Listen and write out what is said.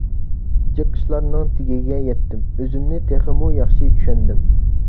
جىق ئىشلارنىڭ تېگىگە يەتتىم، ئۆزۈمنى تېخىمۇ ياخشى چۈشەندىم.